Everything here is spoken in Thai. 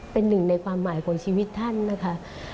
เป็นหนึ่งในความหมายของชีวิตท่านนะคะ